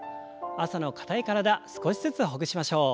朝の硬い体少しずつほぐしましょう。